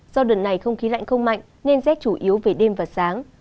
do đợt này không khí lạnh không mạnh nên rét chủ yếu về đêm và sáng